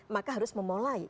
maka harus memulai